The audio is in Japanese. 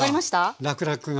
らくらくが。